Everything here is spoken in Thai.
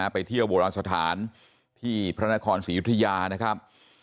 ไปเที่ยวโบราณสถานที่พระนครศรียุธยานะครับ